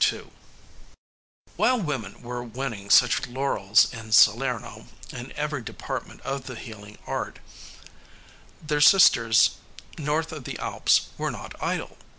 While women were winning such laurels in Salerno in every department of the healing art, their sisters north of the Alps were not idle.